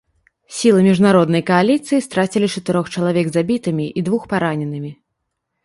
Сілы міжнароднай кааліцыі страцілі чатырох чалавек забітымі і двух параненымі.